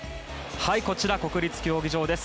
こちら、国立競技場です。